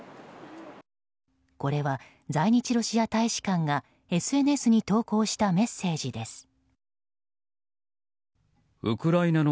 これは在日ロシア大使館がＳＮＳに投稿したメッセージです。